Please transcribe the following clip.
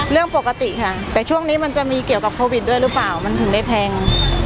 เรื่องปกติค่ะแต่ช่วงนี้มันจะมีเกี่ยวกับโควิดด้วยหรือเปล่ามันถึงได้แพง